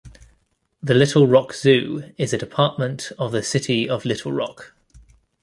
The Little Rock Zoo is a department of the city of Little Rock.